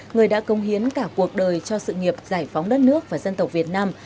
người đã công hiến cả cuộc đời cho sự nghiệp giải phóng đất nước và dân tộc việt nam